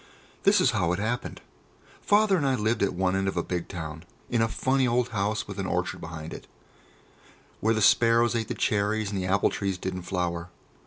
This was how it happened. Father and I lived at one end of a big town, in a funny old house with an orchard behind it, where the sparrows ate the cherries and the apple trees didn't flower.